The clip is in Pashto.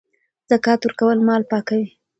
زکات ورکول مال پاکوي.